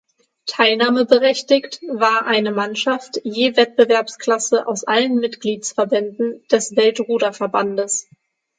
Teilnahmeberechtigt war eine Mannschaft je Wettbewerbsklasse aus allen Mitgliedsverbänden des Weltruderverbandes.